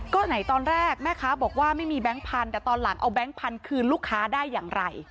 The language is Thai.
ก็ไหนตอนแรกแม่ค้าบอกว่าไม่มีแบงค์พันธุ์แต่ตอนหลังเอาแก๊งพันธุ์คืนลูกค้าได้อย่างไร